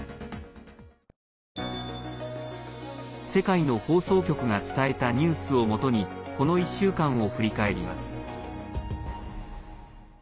世界の放送局が伝えたニュースをもとにこの１週間を振り返ります。